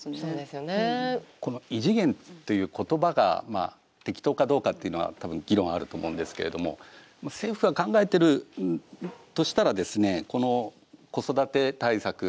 この「異次元」という言葉が適当かどうかというのはたぶん議論あると思うんですけれども政府が考えてるとしたらですね